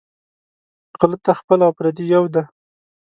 غله ته خپل او پردي یو دى